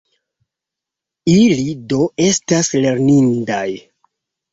Ili do estas lernindaj.